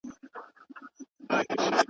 سړي وویل زما ومنه که ښه کړې.